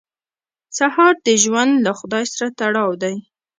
سهار د ژوند له خدای سره تړاو دی.